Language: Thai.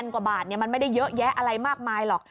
กว่าบาทมันไม่ได้เยอะแยะอะไรมากมายหรอก